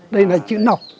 đây là chữ nọc